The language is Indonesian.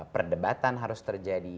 perdebatan harus terjadi